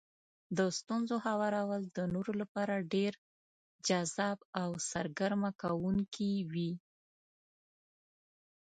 د ستونزو هوارول د نورو لپاره ډېر جذاب او سرګرمه کوونکي وي.